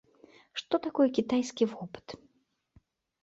Што такое кітайскі вопыт?